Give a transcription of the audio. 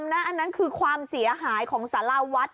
อันนั้นคือความเสียหายของสาราวัด